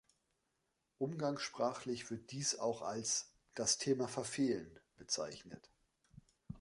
Umgangssprachlich wird dies auch als „das Thema verfehlen“ bezeichnet.